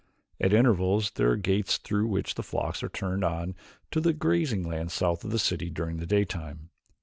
At intervals there are gates through which the flocks are turned on to the grazing land south of the city during the daytime.